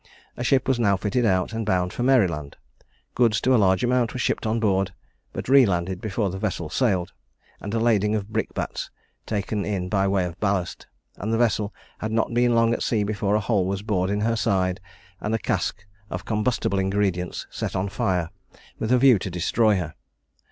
A ship was now fitted out, and bound for Maryland: goods to a large amount were shipped on board, but re landed before the vessel sailed, and a lading of brick bats taken in by way of ballast; and the vessel had not been long at sea before a hole was bored in her side, and a cask of combustible ingredients set on fire with a view to destroy her.